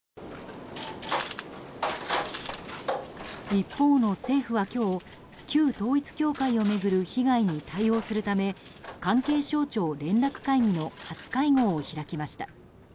一方の政府は今日旧統一教会を巡る被害に対応するため関係省庁連絡会議の初会合を開きました。